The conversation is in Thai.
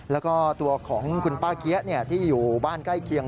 แล้วก็ตัวของคุณป้าเกี๊ยะที่อยู่บ้านใกล้เคียง